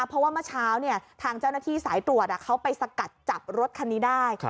เพราะว่าเมื่อเช้าทางเจ้าหน้าที่สายตรวจเขาไปสกัดจับรถคันนี้ได้